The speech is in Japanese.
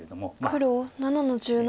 黒７の十七。